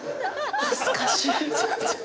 恥ずかしい。